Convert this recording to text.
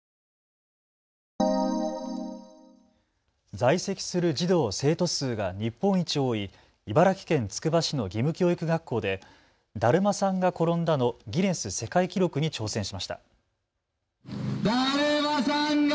在籍する児童生徒数が日本一多い茨城県つくば市の義務教育学校でだるまさんが転んだのギネス世界記録に挑戦しました。